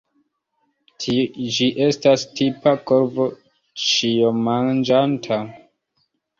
Ĝi estas tipa korvo ĉiomanĝanta.